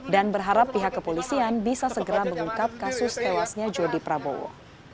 dan berharap pihak kepolisian bisa segera mengungkap kasus tewasnya yudi prabowo